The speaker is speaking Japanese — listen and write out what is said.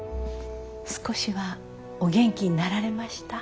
少しはお元気になられました？